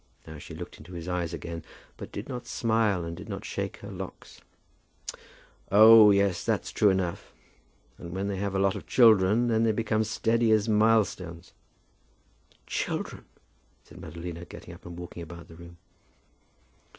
Now she looked into his eyes again, but did not smile and did not shake her locks. "Oh yes; that's true enough. And when they have a lot of children, then they become steady as milestones." "Children!" said Madalina, getting up and walking about the room.